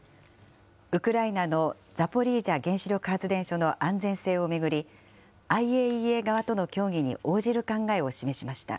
ウクライナのザポリージャ原子力発電所の安全性を巡り、ＩＡＥＡ側との協議に応じる考えを示しました。